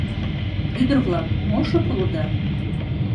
Ӱдыр-влак, мо шып улыда?